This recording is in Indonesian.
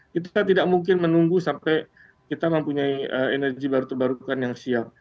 kita tidak mungkin menunggu sampai kita mempunyai energi baru terbarukan yang siap